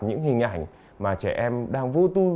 những hình ảnh mà trẻ em đang vô tu